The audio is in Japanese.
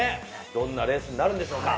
どんなレースなるんでしょうか。